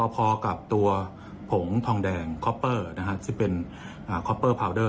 พอกับตัวผงทองแดงคอปเปอร์ซึ่งเป็นคอปเปอร์พาวเดอร์